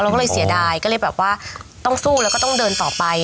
ก็เลยเสียดายก็เลยแบบว่าต้องสู้แล้วก็ต้องเดินต่อไป